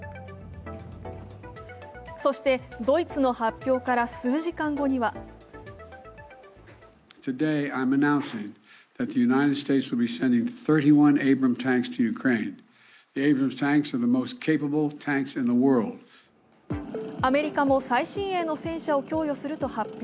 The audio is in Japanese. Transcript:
そしてドイツの発表から数時間後にはアメリカも最新鋭の戦車を供与すると発表。